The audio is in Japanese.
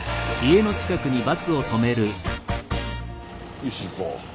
よし行こう。